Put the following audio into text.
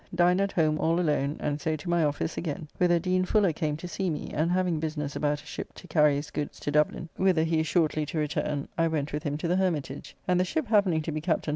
Dined at home all alone, and so to my office again, whither Dean Fuller came to see me, and having business about a ship to carry his goods to Dublin, whither he is shortly to return, I went with him to the Hermitage, and the ship happening to be Captn.